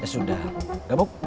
ya sudah gabung